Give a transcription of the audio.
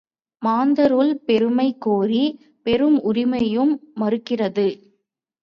மாந்தருள் பெருமை கோரிப் பெறும் உரிமையையும் மறுக்கிறது.